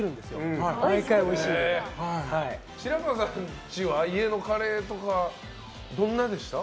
白河さん家は家のカレーとかどんなでした？